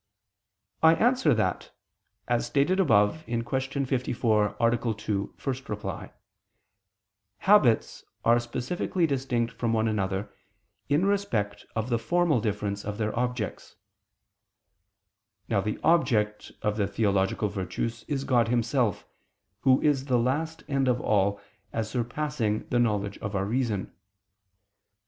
I answer that, As stated above (Q. 54, A. 2, ad 1), habits are specifically distinct from one another in respect of the formal difference of their objects. Now the object of the theological virtues is God Himself, Who is the last end of all, as surpassing the knowledge of our reason.